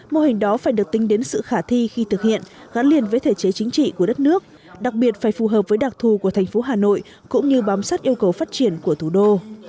mô hình đó phải được tính đến sự khả thi khi thực hiện gắn liền với thể chế chính trị của đất nước đặc biệt phải phù hợp với đặc thù của thành phố hà nội cũng như bám sát yêu cầu phát triển của thủ đô